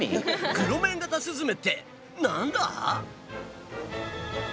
クロメンガタスズメって何だ？